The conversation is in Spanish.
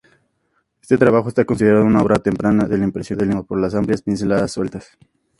Este trabajo está considerado una obra temprana del Impresionismo, por las amplias pinceladas sueltas.